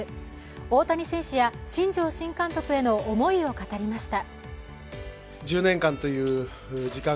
大谷選手や新庄新監督への思いを語りました。